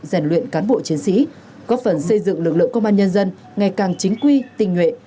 rèn luyện cán bộ chiến sĩ góp phần xây dựng lực lượng công an nhân dân ngày càng chính quy tình nguyện